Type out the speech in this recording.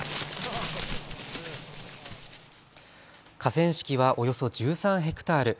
河川敷はおよそ１３ヘクタール。